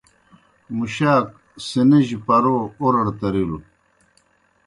مُشاک سِنِجیْ پرَو اورَڑ ترِلوْ۔